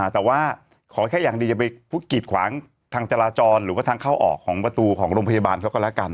แต่ว่าขอแค่อย่างดีอย่าไปกีดขวางทางจราจรหรือว่าทางเข้าออกของประตูของโรงพยาบาลเขาก็แล้วกัน